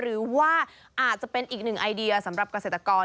หรือว่าอาจจะเป็นอีกหนึ่งไอเดียสำหรับเกษตรกร